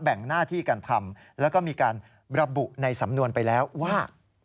งหน้าที่การทำแล้วก็มีการระบุในสำนวนไปแล้วว่า